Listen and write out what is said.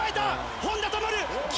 本多灯。